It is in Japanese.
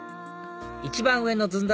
一番上のずんだ